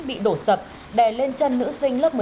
bị đổ sập đè lên chân nữ sinh lớp một mươi